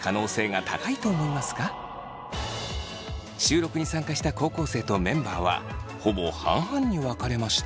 収録に参加した高校生とメンバーはほぼ半々に分かれました。